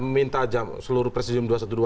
minta seluruh presidium dua ratus dua belas